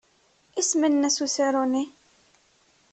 Isem-nnes usaru-nni?